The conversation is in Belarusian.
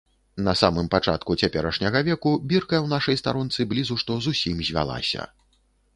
На самым пачатку цяперашняга веку бірка ў нашай старонцы блізу што зусім звялася.